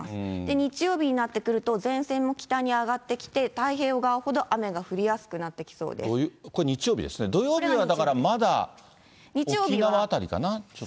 日曜日になってくると、前線も北に上がってきて、太平洋側ほど雨が降りやすくなってきそこれ、日曜日ですね、土曜日はだからまだ、沖縄辺りかな。